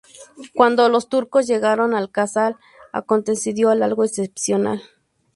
Cuando los turcos llegaron al casal, aconteció algo excepcional.